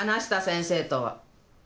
先生とは。